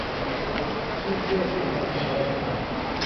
ที่เลือกผู้แทนเข้ามาได้ทั้งหมด